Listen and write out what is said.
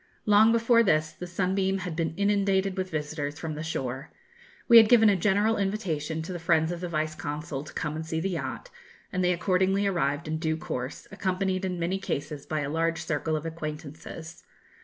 Long before this, the 'Sunbeam' had been inundated with visitors from the shore. We had given a general invitation to the friends of the Vice Consul to come and see the yacht; and they accordingly arrived in due course, accompanied in many cases by a large circle of acquaintances.